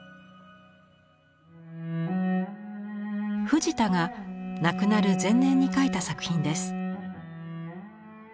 藤田が亡くなる前年に描いた作品です。